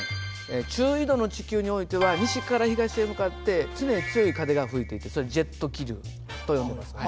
中緯度の地球においては西から東へ向かって常に強い風が吹いていてそれジェット気流と呼んでいます。